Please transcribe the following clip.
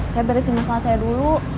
saya beresin masalah saya dulu